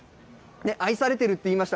愛されていると言いました。